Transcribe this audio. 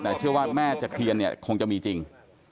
แต่เชื่อว่าแม่ตะเคียนเนี่ยคงจะมีจริง